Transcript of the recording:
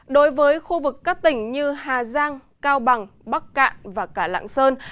đối với khu vực các tỉnh như hà giang cao bằng bắc cạn và cả lạng sơn